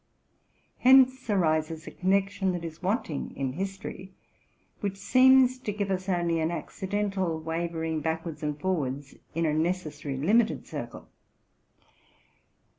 Hence arises 2 connection that is wanting in history, which seems to give us only an accidental wavering backwards and forwards in a necessarily limited circle.